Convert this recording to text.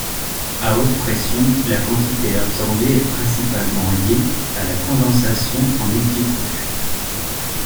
À haute pression, la quantité adsorbée est principalement liée à la condensation en multicouches.